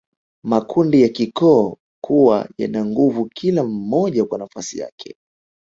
Makundi ya kikoo kuwa yana nguvu kila mmoja kwa nafasi yake